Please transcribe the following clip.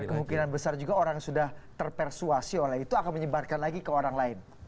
dan kemungkinan besar juga orang sudah terpersuasi oleh itu akan menyebarkan lagi ke orang lain